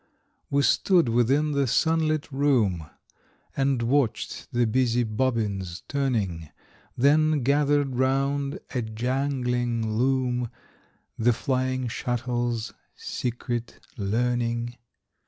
We stood within the sunlit room And watched the busy bobbins turning; Then gathered round a jangling loom, The flying shuttle's secret learning.